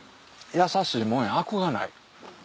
優しいもんやアクがない。